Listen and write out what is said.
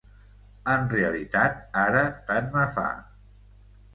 En realitat, ara tant me fa.